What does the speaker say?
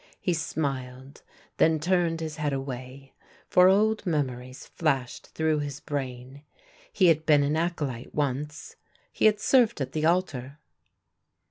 He smiled, then turned his head away, for old memories flashed through his brain — he had been an acolyte once : he had served at the altar.